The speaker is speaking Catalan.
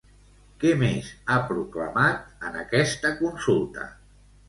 Què més ha proclamat en aquesta consulta?